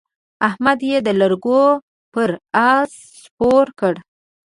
احمد يې د لرګو پر اس سپور کړ.